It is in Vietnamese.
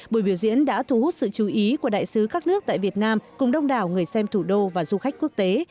buổi biểu diễn đã thu hút sự chú ý của đại sứ các nước tại việt nam cùng đông đảo người xem thủ đô và du khách quốc tế